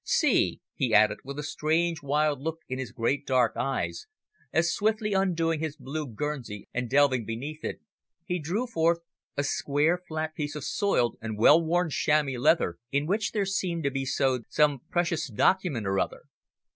See!" he added, with a strange wild look in his great dark eyes, as swiftly undoing his blue guernsey and delving beneath it he drew forth a square, flat piece of soiled and well worn chamois leather in which there seemed to be sewed some precious document or other.